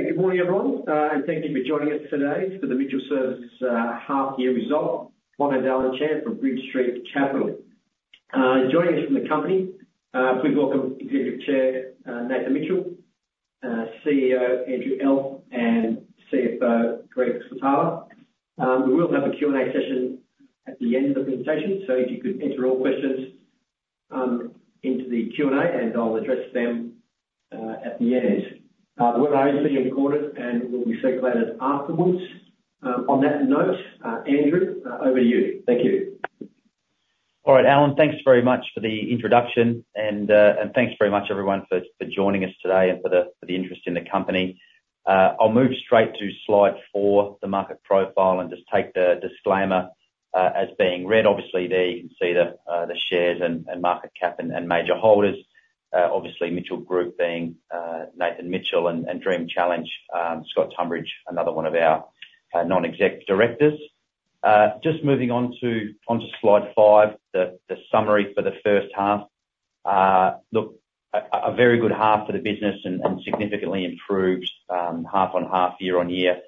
Good morning, everyone, and thank you for joining us today for the Mitchell Services half-year results. I'm Andrew Chan for Bridge Street Capital. Joining us from the company, please welcome Executive Chair Nathan Mitchell, CEO Andrew Elf, and CFO Greg Switala. We will have a Q&A session at the end of the presentation, so if you could enter all questions into the Q&A, and I'll address them at the end. The webinar is being recorded and will be circulated afterwards. On that note, Andrew, over to you. Thank you. All right, Allen. Thanks very much for the introduction, and thanks very much, everyone, for joining us today and for the interest in the company. I'll move straight to slide four, the market profile, and just take the disclaimer as being read. Obviously, there you can see the shares and market cap and major holders, obviously Mitchell Group being Nathan Mitchell, and Dream Challenge, Scott Tumbridge, another one of our non-exec directors. Just moving on to slide five, the summary for the first half. Look, a very good half for the business and significantly improved half-on-half, year-on-year,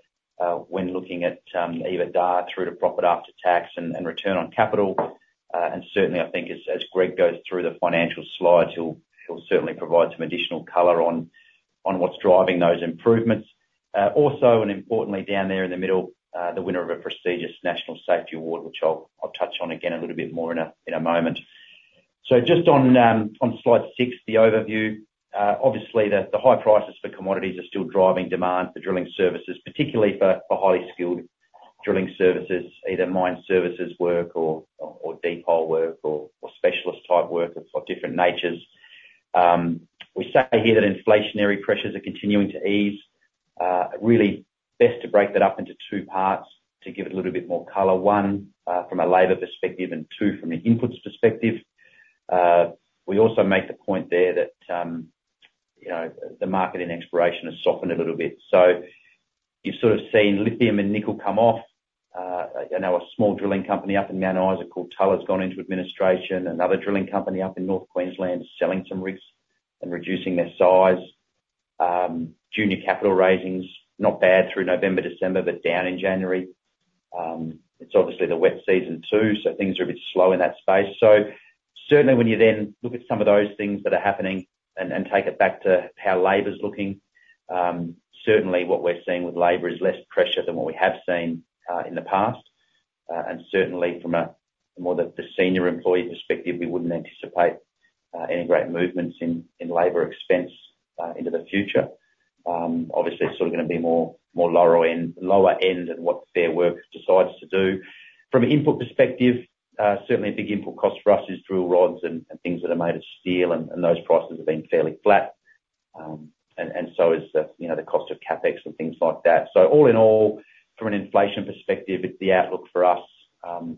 when looking at EBITDA through to profit after tax and return on capital. Certainly, I think, as Greg goes through the financial slides, he'll certainly provide some additional color on what's driving those improvements. Also, and importantly, down there in the middle, the winner of a prestigious National Safety Award, which I'll touch on again a little bit more in a moment. So just on slide six, the overview, obviously, the high prices for commodities are still driving demand for drilling services, particularly for highly skilled drilling services, either mine services work or depot work or specialist-type work of different natures. We say here that inflationary pressures are continuing to ease. Really, best to break that up into two parts to give it a little bit more color, one, from a labor perspective, and two, from an inputs perspective. We also make the point there that, you know, the market in exploration has softened a little bit. So you've sort of seen lithium and nickel come off. I know a small drilling company up in Mount Isa called Tullis gone into administration. Another drilling company up in North Queensland is selling some rigs and reducing their size. Junior capital raisings, not bad through November, December, but down in January. It's obviously the wet season, too, so things are a bit slow in that space. So certainly, when you then look at some of those things that are happening and take it back to how labor's looking, certainly what we're seeing with labor is less pressure than what we have seen in the past. And certainly, from a more senior employee perspective, we wouldn't anticipate any great movements in labor expense into the future. Obviously, it's sort of gonna be more lower-end than what Fair Work decides to do. From an input perspective, certainly a big input cost for us is drill rods and things that are made of steel, and those prices have been fairly flat, and so is the, you know, the cost of CapEx and things like that. So all in all, from an inflation perspective, the outlook for us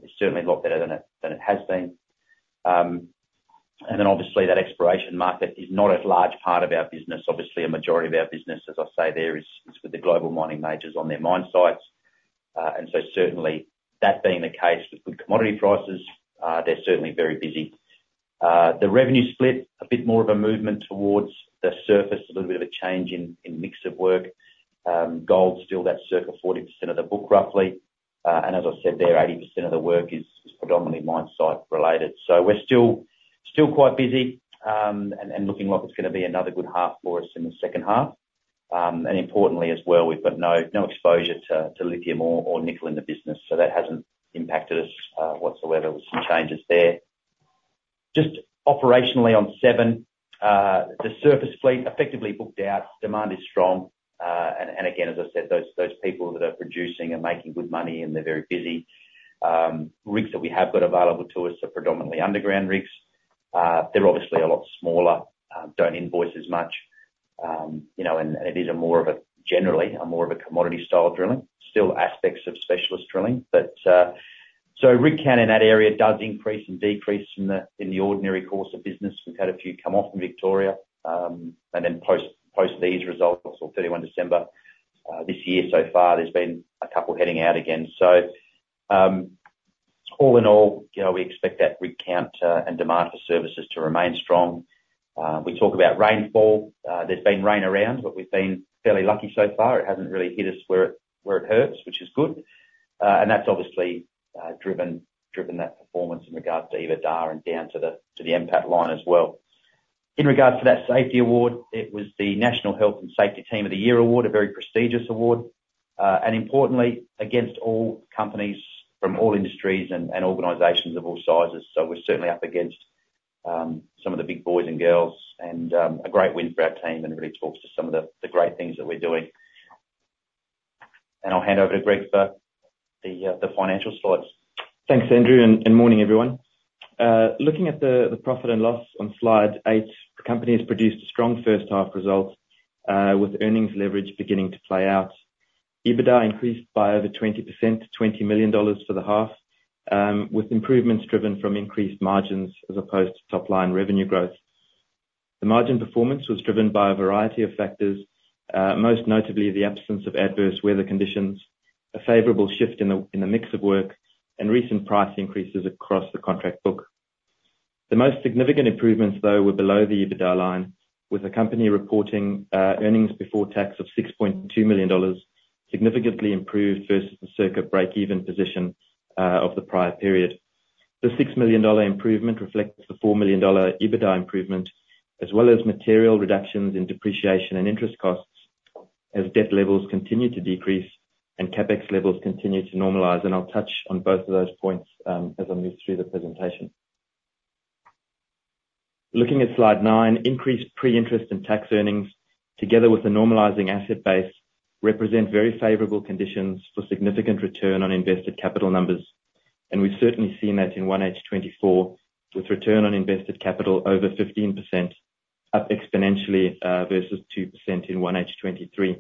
is certainly a lot better than it has been. Then obviously, that exploration market is not a large part of our business. Obviously, a majority of our business, as I say there, is with the global mining majors on their mine sites. So certainly, that being the case with good commodity prices, they're certainly very busy. The revenue split, a bit more of a movement towards the surface, a little bit of a change in mix of work. Gold's still that circa 40% of the book, roughly. As I said there, 80% of the work is predominantly mine site-related. So we're still quite busy, and looking like it's gonna be another good half for us in the second half. Importantly as well, we've got no exposure to lithium or nickel in the business, so that hasn't impacted us whatsoever with some changes there. Just operationally on seven, the surface fleet effectively booked out. Demand is strong. And again, as I said, those people that are producing and making good money, and they're very busy. Rigs that we have got available to us are predominantly underground rigs. They're obviously a lot smaller, don't invoice as much. You know, and it is more of a generally, more of a commodity-style drilling, still aspects of specialist drilling. Rig count in that area does increase and decrease in the ordinary course of business. We've had a few come off in Victoria, and then post these results, as of 31 December, this year so far, there's been a couple heading out again. So, all in all, you know, we expect that rig count, and demand for services to remain strong. We talk about rainfall. There's been rain around, but we've been fairly lucky so far. It hasn't really hit us where it hurts, which is good. And that's obviously driven that performance in regards to EBITDA and down to the NPAT line as well. In regards to that safety award, it was the National Health and Safety Team of the Year award, a very prestigious award. Importantly, against all companies from all industries and organisations of all sizes. So we're certainly up against some of the big boys and girls, and a great win for our team and really talks to some of the great things that we're doing. And I'll hand over to Greg for the financial slides. Thanks, Andrew, and morning, everyone. Looking at the profit and loss on slide eight, the company has produced a strong first-half result, with earnings leverage beginning to play out. EBITDA increased by over 20%, 20 million dollars for the half, with improvements driven from increased margins as opposed to top-line revenue growth. The margin performance was driven by a variety of factors, most notably the absence of adverse weather conditions, a favorable shift in the mix of work, and recent price increases across the contract book. The most significant improvements, though, were below the EBITDA line, with the company reporting earnings before tax of 6.2 million dollars, significantly improved versus the circa break-even position of the prior period. The 6 million dollar improvement reflects the 4 million dollar EBITDA improvement as well as material reductions in depreciation and interest costs as debt levels continue to decrease and CapEx levels continue to normalize. I'll touch on both of those points, as I move through the presentation. Looking at slide nine, increased pre-interest and tax earnings, together with a normalizing asset base, represent very favorable conditions for significant return on invested capital numbers. We've certainly seen that in 1H 2024 with return on invested capital over 15%, up exponentially, versus 2% in 1H 2023.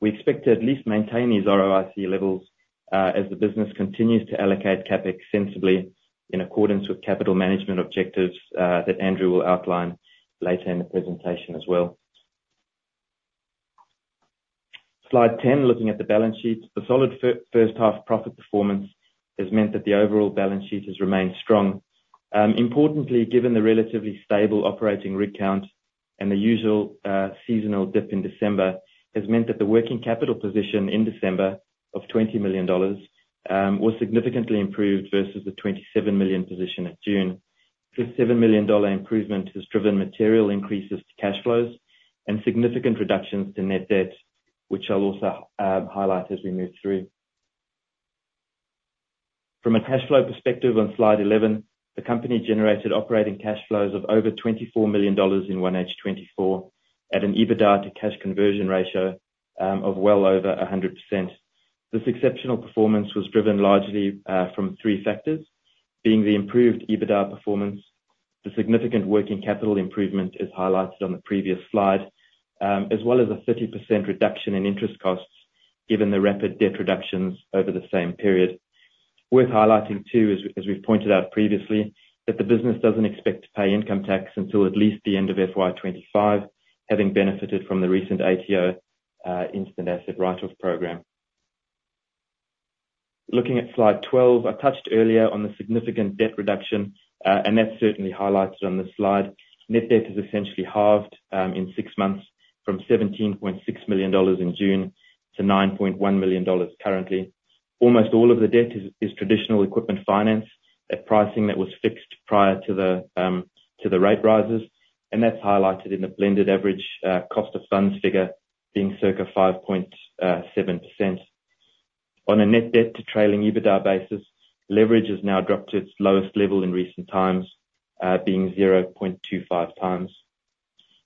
We expect to at least maintain these ROIC levels, as the business continues to allocate CapEx sensibly in accordance with capital management objectives, that Andrew will outline later in the presentation as well. Slide 10, looking at the balance sheet, the solid first-half profit performance has meant that the overall balance sheet has remained strong. Importantly, given the relatively stable operating rig count and the usual seasonal dip in December, has meant that the working capital position in December of 20 million dollars was significantly improved versus the 27 million position in June. This 7 million dollar improvement has driven material increases to cash flows and significant reductions to net debt, which I'll also highlight as we move through. From a cash flow perspective on slide 11, the company generated operating cash flows of over 24 million dollars in 1H 2024 at an EBITDA to cash conversion ratio of well over 100%. This exceptional performance was driven largely from three factors, being the improved EBITDA performance, the significant working capital improvement as highlighted on the previous slide, as well as a 30% reduction in interest costs given the rapid debt reductions over the same period. Worth highlighting, too, as we've pointed out previously, that the business doesn't expect to pay income tax until at least the end of FY 2025, having benefited from the recent ATO instant asset write-off program. Looking at slide 12, I touched earlier on the significant debt reduction, and that's certainly highlighted on this slide. Net debt is essentially halved in six months from 17.6 million dollars in June to 9.1 million dollars currently. Almost all of the debt is traditional equipment finance, a pricing that was fixed prior to the rate rises. And that's highlighted in the blended average cost of funds figure being circa 5.7%. On a net debt to trailing EBITDA basis, leverage has now dropped to its lowest level in recent times, being 0.25x.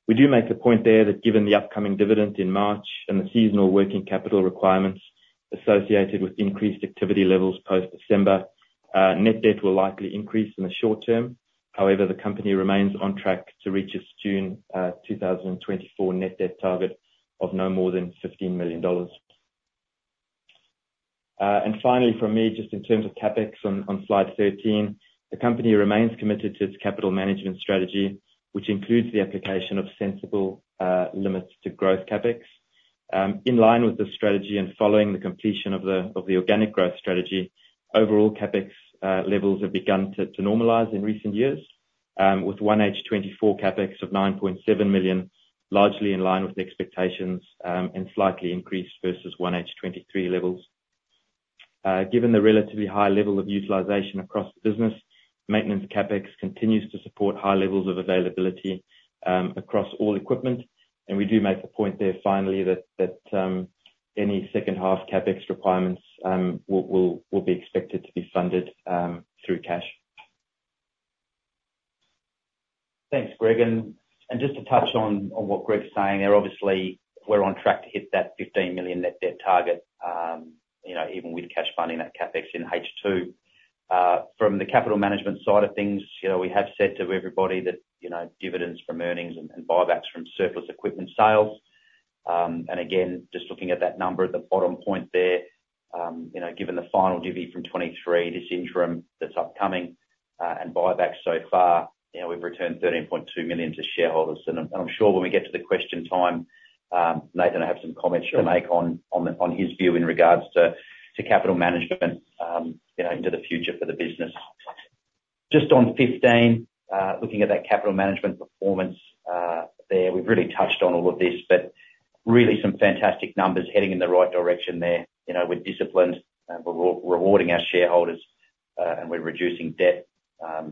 We do make the point there that given the upcoming dividend in March and the seasonal working capital requirements associated with increased activity levels post-December, net debt will likely increase in the short term. However, the company remains on track to reach its June 2024 net debt target of no more than 15 million dollars. And finally from me, just in terms of CapEx on slide 13, the company remains committed to its capital management strategy, which includes the application of sensible limits to growth CapEx. In line with the strategy and following the completion of the organic growth strategy, overall CapEx levels have begun to normalize in recent years, with 1H 2024 CapEx of 9.7 million, largely in line with expectations, and slightly increased versus 1H 2023 levels. Given the relatively high level of utilization across the business, maintenance CapEx continues to support high levels of availability across all equipment. We do make the point there finally that any second-half CapEx requirements will be expected to be funded through cash. Thanks, Greg. And just to touch on what Greg's saying there, obviously, we're on track to hit that 15 million net debt target, you know, even with cash funding, that CapEx in H2 from the capital management side of things, you know, we have said to everybody that, you know, dividends from earnings and buybacks from surplus equipment sales. And again, just looking at that number, the bottom point there, you know, given the final divvy from 2023, this interim that's upcoming, and buybacks so far, you know, we've returned 13.2 million to shareholders. And I'm sure when we get to the question time, Nathan will have some comments to make on his view in regards to capital management, you know, into the future for the business. Just on 15, looking at that capital management performance, there, we've really touched on all of this, but really some fantastic numbers heading in the right direction there. You know, we're disciplined, and we're rewarding our shareholders, and we're reducing debt.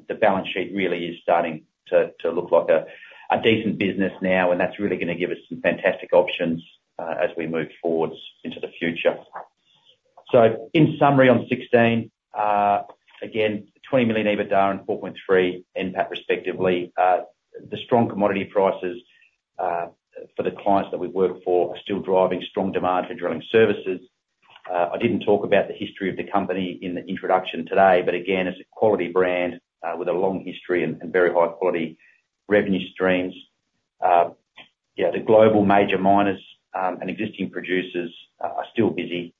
The balance sheet really is starting to, to look like a, a decent business now, and that's really gonna give us some fantastic options, as we move forward into the future. So in summary on 16, again, 20 million EBITDA and 4.3 million NPAT respectively. The strong commodity prices, for the clients that we work for are still driving strong demand for drilling services. I didn't talk about the history of the company in the introduction today, but again, it's a quality brand, with a long history and, and very high-quality revenue streams. Yeah, the global major miners, and existing producers, are still busy.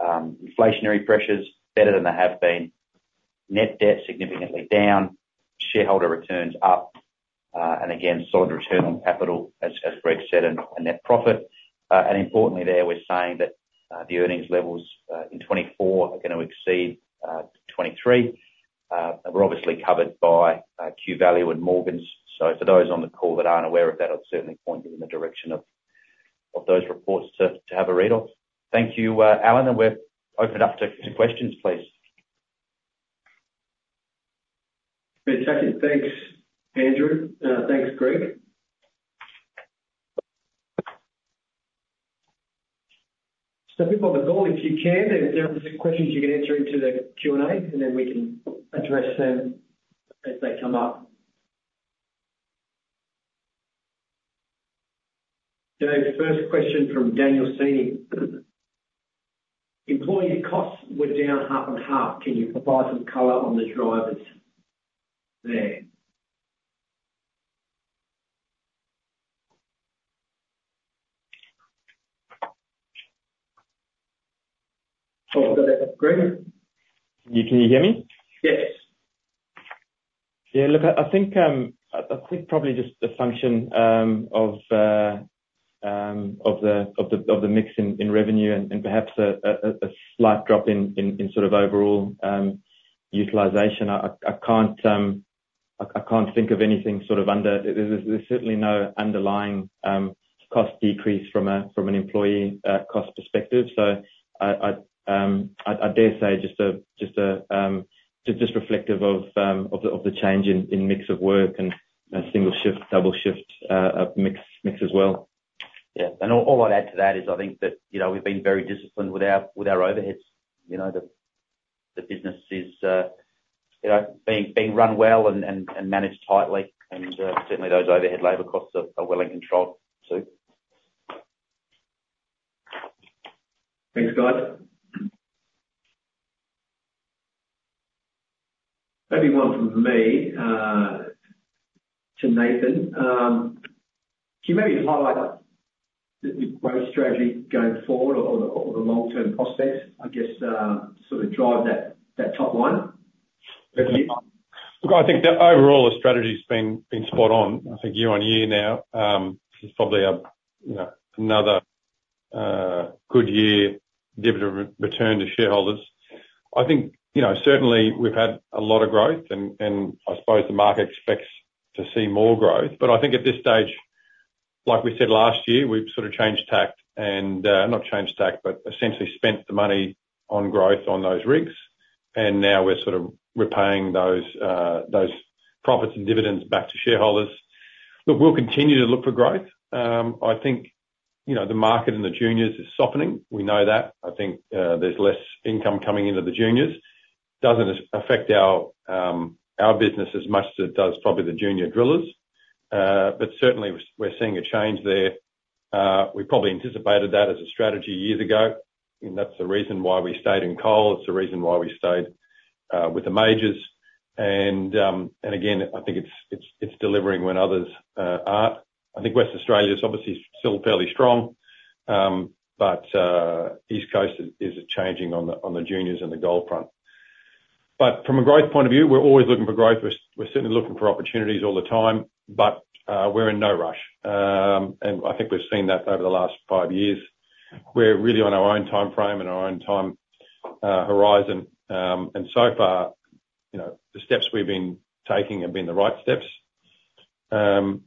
Inflationary pressures better than they have been. Net debt significantly down. Shareholder returns up. And again, solid return on capital as Greg said, and net profit. And importantly, we're saying that the earnings levels in 2024 are gonna exceed 2023. We're obviously covered by QValue and Morgans. So for those on the call that aren't aware of that, I'd certainly point you in the direction of those reports to have a read off. Thank you, Allen. And we've opened it up to questions, please. Great second. Thanks, Andrew. Thanks, Greg. Step people on the call if you can. If there are questions, you can answer into the Q&A, and then we can address them as they come up. Dave, first question from Daniel Seeney. Employee costs were down half and half. Can you provide some color on the drivers there? Oh, is that it, Greg? Can you hear me? Yes. Yeah, look, I think probably just the function of the mix in revenue and perhaps a slight drop in sort of overall utilization. I can't think of anything sort of under there, there's certainly no underlying cost decrease from an employee cost perspective. So I dare say just reflective of the change in mix of work and single shift, double shift mix as well. Yeah. And all I'd add to that is I think that, you know, we've been very disciplined with our overheads. You know, the business is, you know, being run well and managed tightly. And, certainly those overhead labor costs are well in control, too. Thanks, God. Maybe one from me, to Nathan. Can you maybe highlight the growth strategy going forward or the long-term prospects, I guess, sort of drive that top line? Look, I think the overall strategy's been spot on. I think year-over-year now, this is probably a, you know, another good year dividend return to shareholders. I think, you know, certainly we've had a lot of growth, and I suppose the market expects to see more growth. But I think at this stage, like we said last year, we've sort of changed tack and, not changed tack, but essentially spent the money on growth on those rigs. And now we're sort of repaying those profits and dividends back to shareholders. Look, we'll continue to look for growth. I think, you know, the market in the juniors is softening. We know that. I think, there's less income coming into the juniors. Doesn't affect our business as much as it does probably the junior drillers, but certainly we're seeing a change there. We probably anticipated that as a strategy years ago. That's the reason why we stayed in coal. It's the reason why we stayed with the majors. And again, I think it's delivering when others aren't. I think Western Australia's obviously still fairly strong, but East Coast is changing on the juniors and the gold front. But from a growth point of view, we're always looking for growth. We're certainly looking for opportunities all the time, but we're in no rush. And I think we've seen that over the last five years. We're really on our own timeframe and our own time horizon. And so far, you know, the steps we've been taking have been the right steps. And,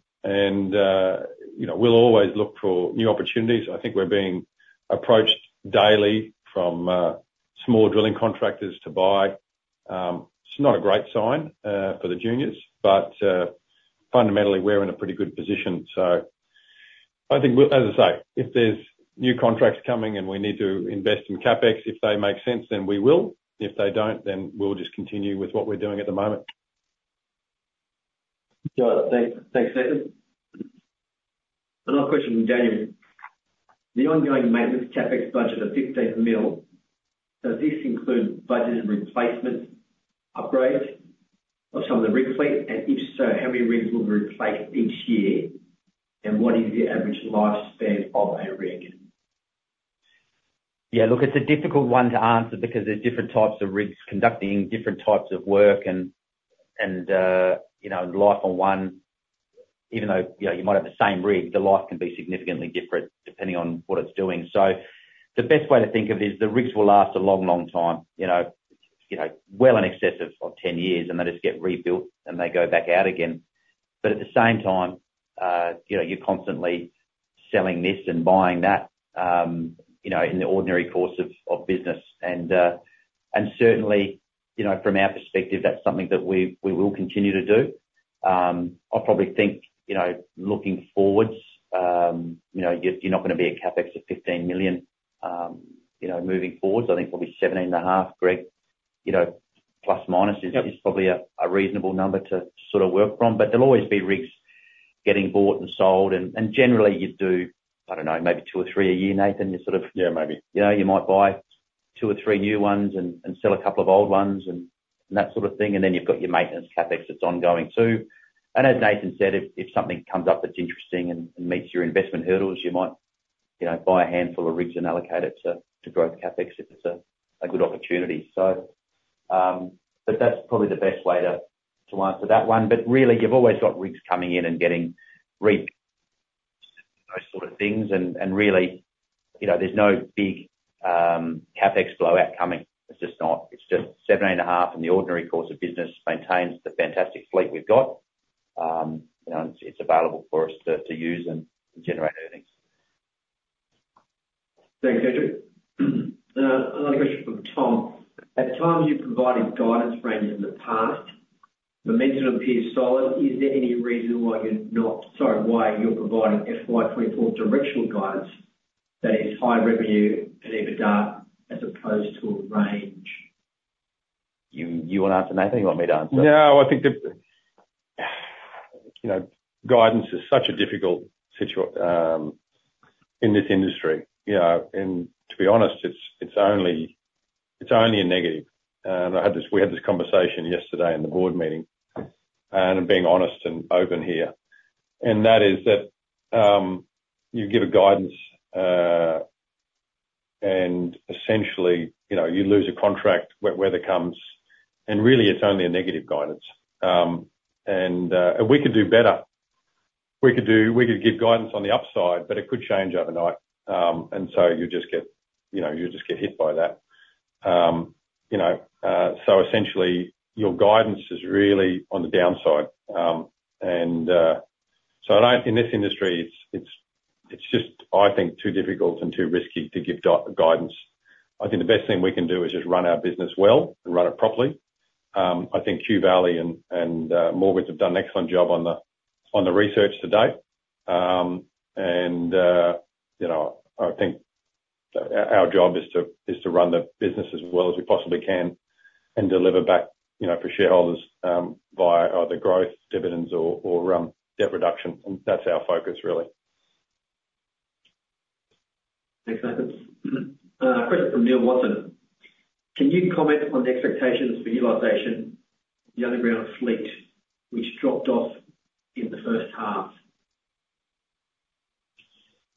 you know, we'll always look for new opportunities. I think we're being approached daily from small drilling contractors to buy. It's not a great sign for the juniors, but fundamentally, we're in a pretty good position. So I think we'll, as I say, if there's new contracts coming and we need to invest in CapEx, if they make sense, then we will. If they don't, then we'll just continue with what we're doing at the moment. Got it. Thanks, thanks, Nathan. Another question from Daniel. The ongoing maintenance CapEx budget of 15 million, does this include budgeted replacement upgrades of some of the rig fleet? And if so, how many rigs will be replaced each year, and what is the average lifespan of a rig? Yeah, look, it's a difficult one to answer because there's different types of rigs conducting different types of work. And you know, life on one, even though you know, you might have the same rig, the life can be significantly different depending on what it's doing. So the best way to think of it is the rigs will last a long, long time, you know, well in excess of 10 years, and they just get rebuilt, and they go back out again. But at the same time, you know, you're constantly selling this and buying that, you know, in the ordinary course of business. And certainly, you know, from our perspective, that's something that we will continue to do. I probably think, you know, looking forwards, you know, you're not gonna be at CapEx of 15 million, you know, moving forwards. I think probably 17.5, Greg, you know, plus minus is probably a reasonable number to sort of work from. But there'll always be rigs getting bought and sold. And generally, you do, I don't know, maybe two or three a year, Nathan. You sort of. Yeah, maybe. You know, you might buy two or three new ones and sell a couple of old ones and that sort of thing. Then you've got your maintenance CapEx that's ongoing, too. And as Nathan said, if something comes up that's interesting and meets your investment hurdles, you might, you know, buy a handful of rigs and allocate it to growth CapEx if it's a good opportunity. So, but that's probably the best way to answer that one. But really, you've always got rigs coming in and getting rigs, those sort of things. And really, you know, there's no big CapEx blowout coming. It's just not. It's just 17.5 in the ordinary course of business maintains the fantastic fleet we've got. You know, it's available for us to use and generate earnings. Thanks, Andrew. Another question from Tom. At times, you've provided guidance range in the past. Momentum appears solid. Is there any reason why you're not sorry, why you're providing FY2024 directional guidance that is high revenue and EBITDA as opposed to a range? You, you wanna answer, Nathan? You want me to answer? No, I think, you know, guidance is such a difficult situation in this industry. You know, and to be honest, it's only a negative. We had this conversation yesterday in the board meeting, and I'm being honest and open here. And that is that you give guidance, and essentially, you know, you lose a contract where there comes. And really, it's only a negative guidance. And we could do better. We could give guidance on the upside, but it could change overnight. And so you just get, you know, you just get hit by that. You know, so essentially, your guidance is really on the downside. And so I don't in this industry. It's just, I think, too difficult and too risky to give guidance. I think the best thing we can do is just run our business well and run it properly. I think QValue and Morgans have done an excellent job on the research to date. You know, I think our job is to run the business as well as we possibly can and deliver back, you know, for shareholders, via either growth, dividends, or debt reduction. That's our focus, really. Thanks, Nathan. Question from Neil Watson. Can you comment on the expectations for utilization of the underground fleet, which dropped off in the first half?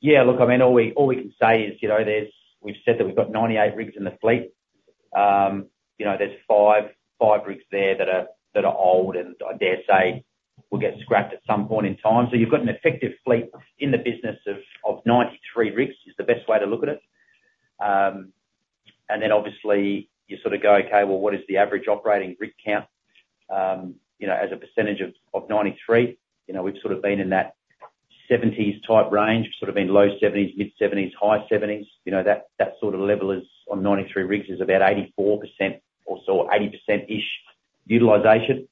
Yeah, look, I mean, all we can say is, you know, we've said that we've got 98 rigs in the fleet. You know, there's five rigs there that are old. And I dare say we'll get scrapped at some point in time. So you've got an effective fleet in the business of 93 rigs is the best way to look at it. And then obviously, you sort of go, "Okay, well, what is the average operating rig count, you know, as a percentage of 93?" You know, we've sort of been in that 70s type range. We've sort of been low 70s, mid 70s, high 70s. You know, that sort of level on 93 rigs is about 84% or so or 80%-ish utilization,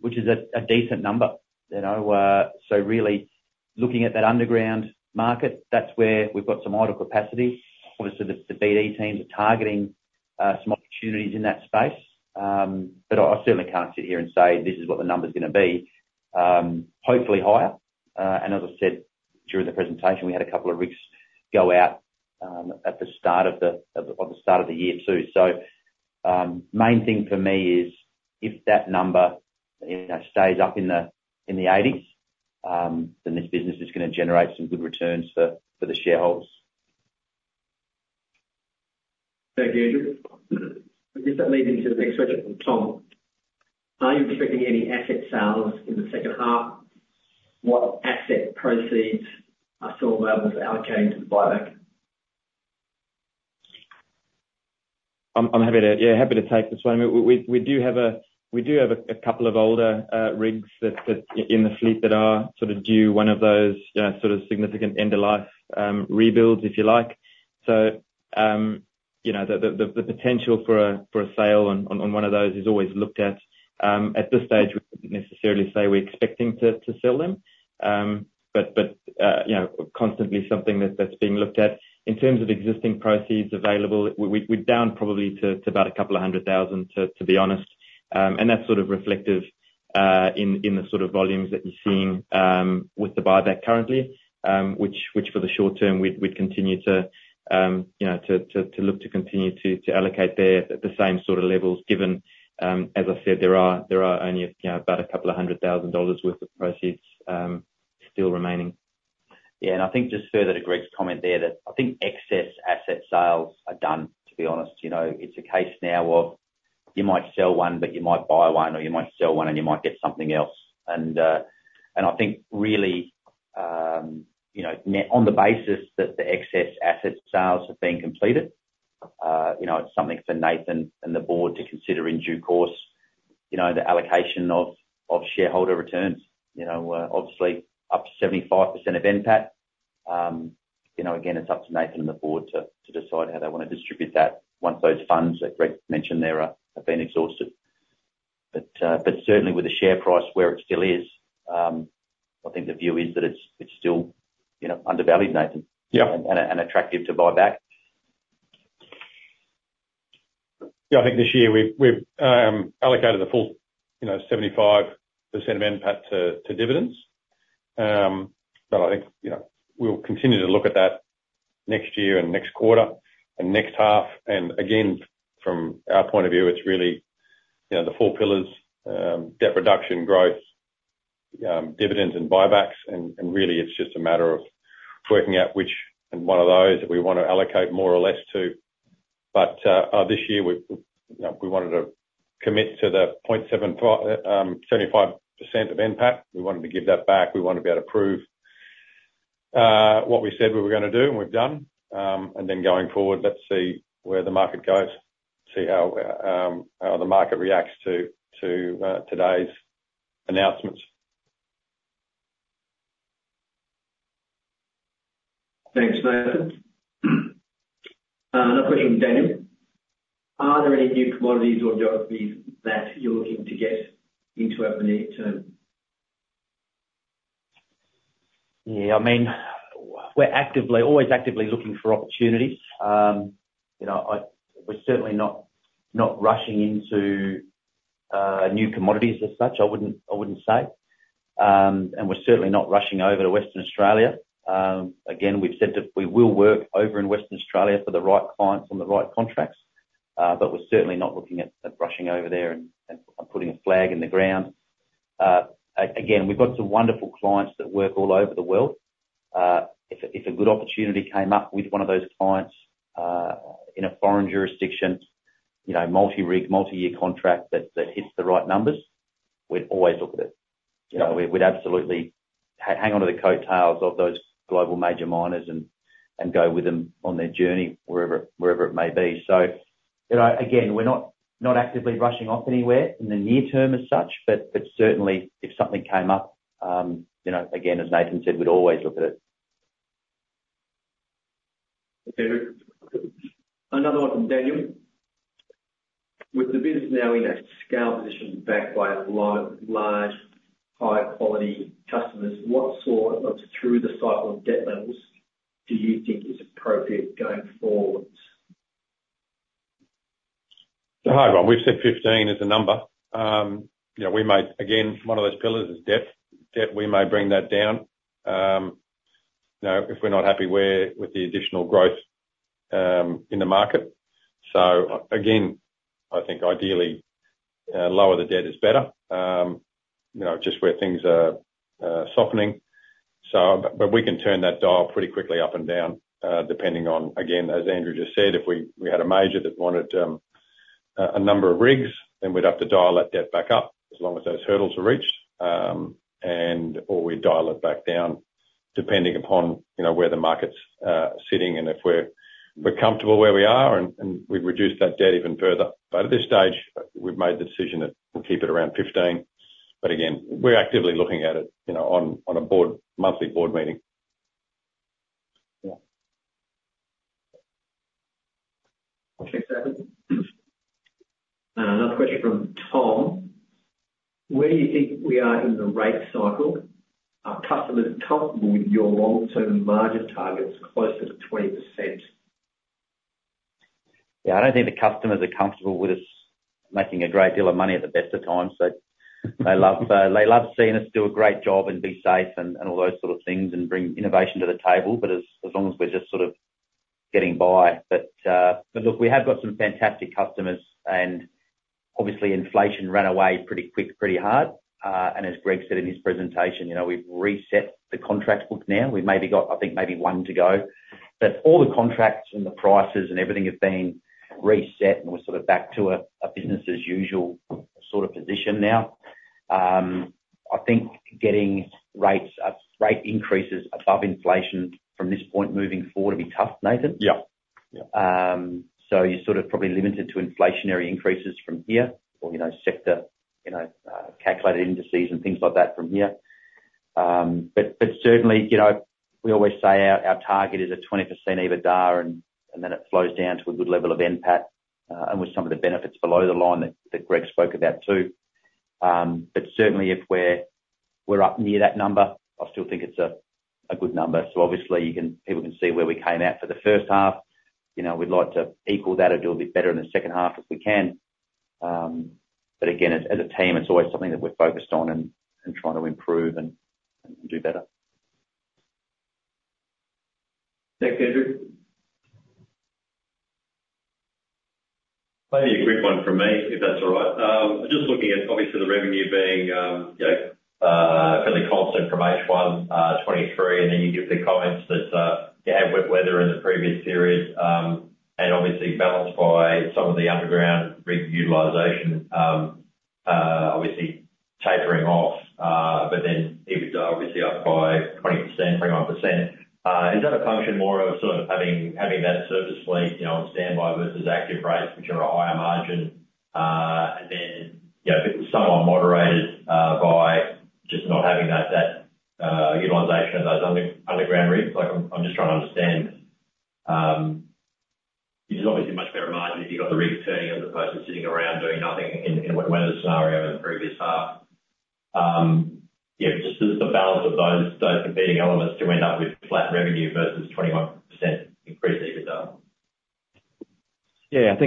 which is a decent number, you know. So really, looking at that underground market, that's where we've got some idle capacity. Obviously, the BD teams are targeting some opportunities in that space. But I certainly can't sit here and say, "This is what the number's gonna be," hopefully higher. And as I said during the presentation, we had a couple of rigs go out at the start of the year, too. So, main thing for me is if that number, you know, stays up in the 80s, then this business is gonna generate some good returns for the shareholders. Thank you, Andrew. I guess that leads into the next question from Tom. Are you expecting any asset sales in the second half? What asset proceeds are still available to allocate into the buyback? I'm happy, yeah, to take this one. I mean, we do have a couple of older rigs that in the fleet that are sort of due. One of those, you know, sort of significant end-of-life rebuilds, if you like. So, you know, the potential for a sale on one of those is always looked at. At this stage, we wouldn't necessarily say we're expecting to sell them. But, you know, constantly something that's being looked at. In terms of existing proceeds available, we're down probably to about 200,000, to be honest. and that's sort of reflective in the sort of volumes that you're seeing with the buyback currently, which for the short term we'd continue to, you know, to look to continue to allocate there at the same sort of levels given, as I said, there are only, you know, about 200,000 dollars worth of proceeds still remaining. Yeah. And I think just further to Greg's comment there that I think excess asset sales are done, to be honest. You know, it's a case now of you might sell one, but you might buy one, or you might sell one, and you might get something else. And, and I think really, you know, near on the basis that the excess asset sales have been completed, you know, it's something for Nathan and the board to consider in due course, you know, the allocation of, of shareholder returns. You know, obviously, up to 75% of NPAT. You know, again, it's up to Nathan and the board to, to decide how they wanna distribute that once those funds that Greg mentioned there are, are being exhausted. But, but certainly with the share price where it still is, I think the view is that it's, it's still, you know, undervalued, Nathan. Yeah. And attractive to buy back. Yeah, I think this year, we've allocated the full, you know, 75% of NPAT to dividends. But I think, you know, we'll continue to look at that next year and next quarter and next half. Again, from our point of view, it's really, you know, the four pillars: debt reduction, growth, dividends, and buybacks. And really, it's just a matter of working out which one of those that we wanna allocate more or less to. But this year, we, you know, we wanted to commit to the 0.75, 75% of NPAT. We wanted to give that back. We wanted to be able to prove what we said we were gonna do, and we've done. Then going forward, let's see where the market goes, see how the market reacts to today's announcements. Thanks, Nathan. Another question from Daniel. Are there any new commodities or geographies that you're looking to get into over the near term? Yeah, I mean, we're actively always actively looking for opportunities. You know, we're certainly not rushing into new commodities as such. I wouldn't say. And we're certainly not rushing over to Western Australia. Again, we've said that we will work over in Western Australia for the right clients on the right contracts. But we're certainly not looking at rushing over there and putting a flag in the ground. Again, we've got some wonderful clients that work all over the world. If a good opportunity came up with one of those clients, in a foreign jurisdiction, you know, multi-rig, multi-year contract that hits the right numbers, we'd always look at it. You know, we'd absolutely hang onto the coattails of those global major miners and go with them on their journey wherever it may be. You know, again, we're not actively rushing off anywhere in the near term as such. But certainly, if something came up, you know, again, as Nathan said, we'd always look at it. Okay, Greg. Another one from Daniel. With the business now in a scale position backed by a lot of large, high-quality customers, what sort of through-the-cycle of debt levels do you think is appropriate going forwards? A hard one. We've said 15 is the number, you know. We may again, one of those pillars is debt. Debt, we may bring that down, you know, if we're not happy where with the additional growth in the market. So again, I think ideally, lower the debt is better, you know, just where things are softening. So but we can turn that dial pretty quickly up and down, depending on again, as Andrew just said, if we had a major that wanted a number of rigs, then we'd have to dial that debt back up as long as those hurdles are reached, and/or we'd dial it back down depending upon, you know, where the market's sitting and if we're comfortable where we are and we've reduced that debt even further. But at this stage, we've made the decision that we'll keep it around 15. But again, we're actively looking at it, you know, on a monthly board meeting. Yeah. Thanks, Nathan. Another question from Tom. Where do you think we are in the rate cycle? Are customers comfortable with your long-term margin targets closer to 20%? Yeah, I don't think the customers are comfortable with us making a great deal of money at the best of times. They, they love they love seeing us do a great job and be safe and, and all those sort of things and bring innovation to the table. But as, as long as we're just sort of getting by. But, but look, we have got some fantastic customers. And obviously, inflation ran away pretty quick, pretty hard. And as Greg said in his presentation, you know, we've reset the contract book now. We maybe got I think maybe one to go. But all the contracts and the prices and everything have been reset, and we're sort of back to a, a business-as-usual sort of position now. I think getting rates up rate increases above inflation from this point moving forward will be tough, Nathan. Yeah. Yeah. So you're sort of probably limited to inflationary increases from here or, you know, sector, you know, calculated indices and things like that from here. But certainly, you know, we always say our target is a 20% EBITDA, and then it flows down to a good level of NPAT, and with some of the benefits below the line that Greg spoke about, too. But certainly, if we're up near that number, I still think it's a good number. So obviously, you can people can see where we came out for the first half. You know, we'd like to equal that or do a bit better in the second half if we can. But again, as a team, it's always something that we're focused on and trying to improve and do better. Thanks, Andrew. Maybe a quick one from me, if that's all right. Just looking at obviously, the revenue being, you know, fairly constant from H1 2023. And then you give the comments that you had wet weather in the previous period, and obviously balanced by some of the underground rig utilization obviously tapering off, but then EBITDA obviously up by 20%, 21%. Is that a function more of sort of having that service fleet, you know, on standby versus active rates,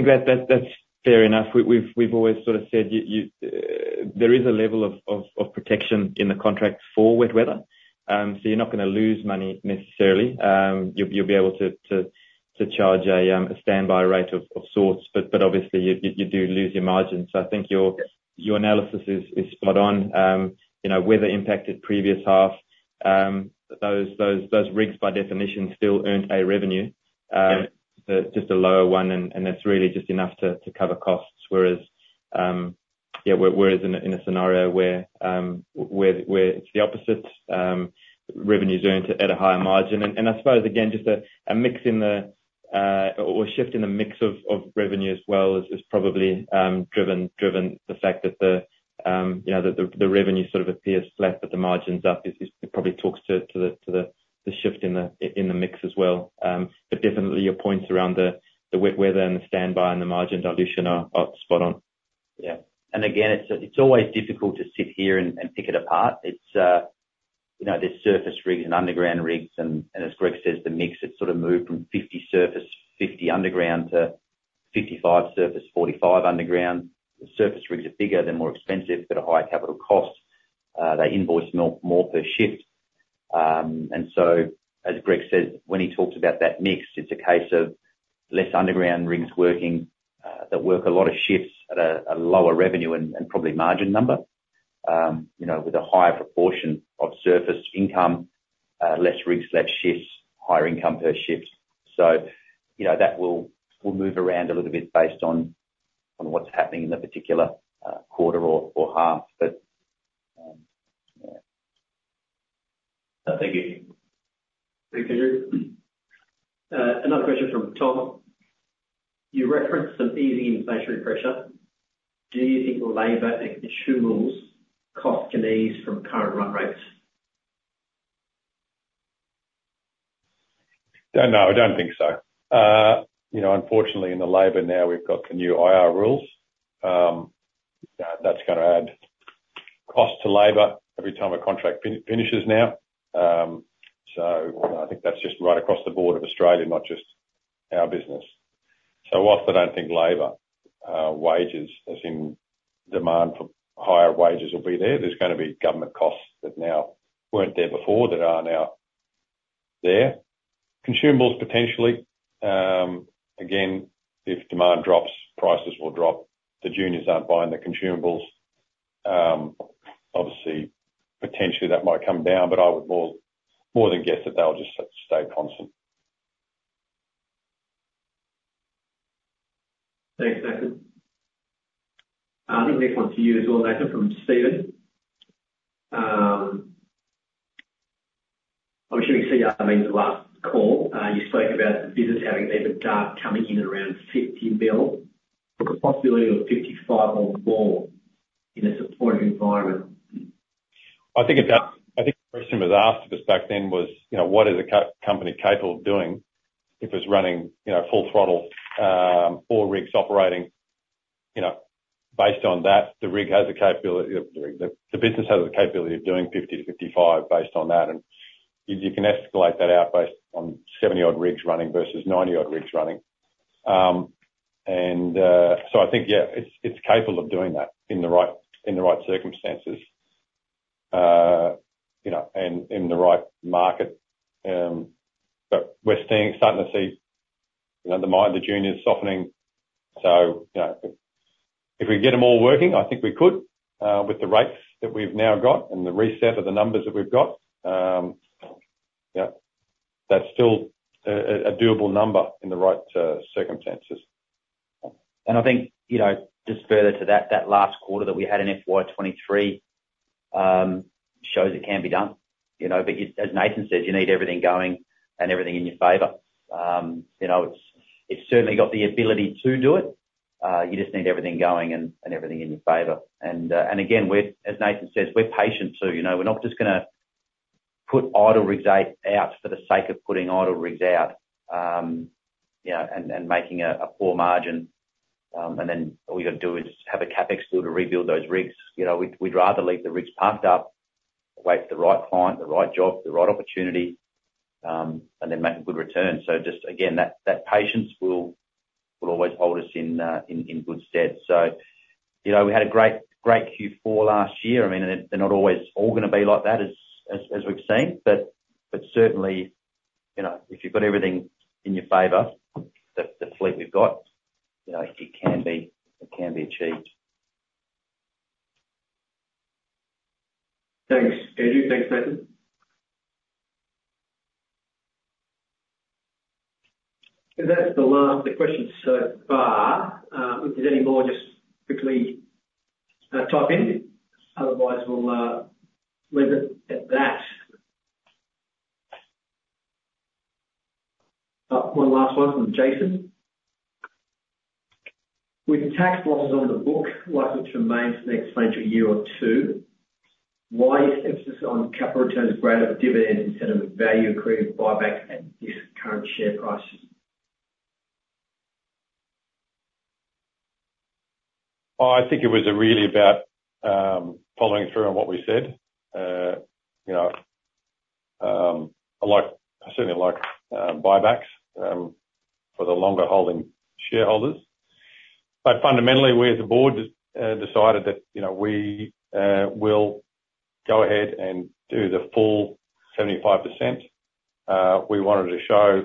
which are a higher margin, and then, you know, somewhat moderated by just not having that utilization of those underground rigs? Like, I'm just trying to understand. You've obviously much better margin if you've got the rigs turning as opposed to sitting around doing nothing in wet weather scenario in the previous half. Yeah, just the balance of those, those competing elements to end up with flat revenue versus 21% increased EBITDA. Yeah, I think that's fair enough. We've always sort of said there is a level of protection in the contract for wet weather. So you're not gonna lose money necessarily. You'll be able to charge a standby rate of sorts. But obviously, you do lose your margin. So I think your analysis is spot on. You know, weather impacted previous half, those rigs by definition still earned a revenue. Yeah. Just a lower one. And that's really just enough to cover costs. Whereas, yeah, we're in a scenario where it's the opposite. Revenues earned at a higher margin. And I suppose, again, just a mix or shift in the mix of revenue as well is probably driven the fact that, you know, that the revenue sort of appears flat, but the margin's up. It probably talks to the shift in the mix as well. But definitely, your points around the wet weather and the standby and the margin dilution are spot on. Yeah. And again, it's always difficult to sit here and pick it apart. It's, you know, there's surface rigs and underground rigs. And as Greg says, the mix, it's sort of moved from 50 surface, 50 underground to 55 surface, 45 underground. The surface rigs are bigger. They're more expensive. They've got a higher capital cost. They invoice more per shift. And so as Greg says, when he talked about that mix, it's a case of less underground rigs working, that work a lot of shifts at a lower revenue and probably margin number, you know, with a higher proportion of surface income, less rigs, less shifts, higher income per shift. So, you know, that will move around a little bit based on what's happening in the particular quarter or half. But, yeah. No, thank you. Thanks, Andrew. Another question from Tom. You referenced some easing inflationary pressure. Do you think the labor and consumer rules cost can ease from current run rates? Don't know. I don't think so. You know, unfortunately, in the labor now, we've got the new IR rules. You know, that's gonna add cost to labor every time a contract finishes now. So I think that's just right across the board of Australia, not just our business. So whilst I don't think labor, wages as in demand for higher wages will be there, there's gonna be government costs that now weren't there before that are now there. Consumables, potentially. Again, if demand drops, prices will drop. The juniors aren't buying the consumables. Obviously, potentially, that might come down. But I would more than guess that they'll just stay constant. Thanks, Nathan. I think the next one's for you as well, Nathan, from Stephen. I'm assuming CR means the last call. You spoke about the business having EBITDA coming in at around 50 million, but the possibility of 55 million or more in a supportive environment. I think, and I think the question was asked of us back then was, you know, what is a company capable of doing if it's running, you know, full throttle, all rigs operating, you know, based on that? The business has the capability of doing 50-55 based on that. And you can escalate that out based on 70-odd rigs running versus 90-odd rigs running. So I think, yeah, it's capable of doing that in the right circumstances, you know, and in the right market. But we're starting to see, you know, the miners the juniors softening. So, you know, if we get them all working, I think we could, with the rates that we've now got and the reset of the numbers that we've got. Yeah, that's still a doable number in the right circumstances. And I think, you know, just further to that, that last quarter that we had in FY 2023 shows it can be done, you know. But as Nathan said, you need everything going and everything in your favor. You know, it's, it's certainly got the ability to do it. You just need everything going and, and everything in your favor. And, and again, we're as Nathan says, we're patient, too. You know, we're not just gonna put idle rigs out for the sake of putting idle rigs out, you know, and, and making a, a poor margin, and then all you've got to do is have a CapEx bill to rebuild those rigs. You know, we'd, we'd rather leave the rigs parked up, wait for the right client, the right job, the right opportunity, and then make a good return. So, just again, that patience will always hold us in good stead. So, you know, we had a great Q4 last year. I mean, and they're not always all gonna be like that as we've seen. But certainly, you know, if you've got everything in your favor, the fleet we've got, you know, it can be achieved. Thanks, Andrew. Thanks, Nathan. And that's the last of the questions so far. If there's any more, just quickly type in. Otherwise, we'll leave it at that. One last one from Jason. With tax losses on the books likely to remain for the next financial year or two, why is emphasis on capital returns greater for dividends instead of the value accrued with buybacks at this current share price? I think it was really about following through on what we said. You know, I certainly like buybacks for the longer-holding shareholders. But fundamentally, we as a board decided that, you know, we will go ahead and do the full 75%. We wanted to show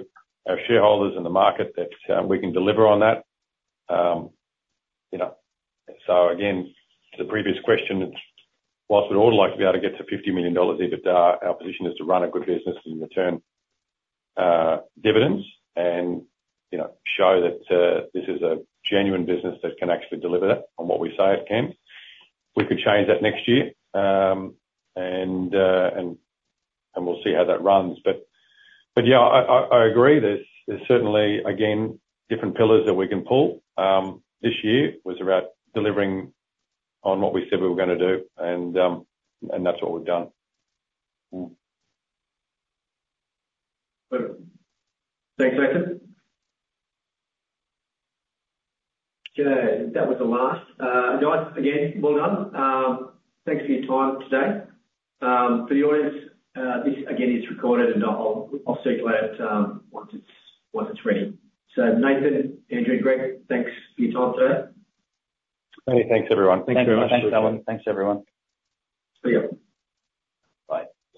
our shareholders and the market that we can deliver on that. You know, so again, to the previous question, whilst we'd all like to be able to get to 50 million dollars EBITDA, our position is to run a good business and return dividends and, you know, show that this is a genuine business that can actually deliver that on what we say it can. We could change that next year, and we'll see how that runs. But yeah, I agree. There's certainly, again, different pillars that we can pull. This year was about delivering on what we said we were gonna do. And that's what we've done. Thanks, Nathan. Okay. That was the last, guys. Again, well done. Thanks for your time today. For the audience, this, again, is recorded, and I'll, I'll circulate it once it's ready. So Nathan, Andrew, Greg, thanks for your time today. Many thanks, everyone. Thanks very much. Thanks, everyone. Thanks, everyone. See you. Bye.